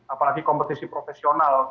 apalagi kompetisi profesional